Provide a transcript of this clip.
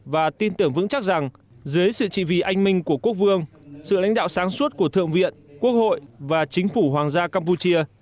và tin tưởng vững chắc rằng dưới sự trị vì anh minh của quốc vương sự lãnh đạo sáng suốt của thượng viện quốc hội và chính phủ hoàng gia campuchia